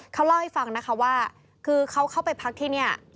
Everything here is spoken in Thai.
เขาเล่าให้ฟังว่าเขาเข้าไปพักที่นี่